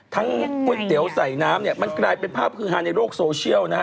ก๋วยเตี๋ยวใส่น้ำเนี่ยมันกลายเป็นภาพคือฮาในโลกโซเชียลนะฮะ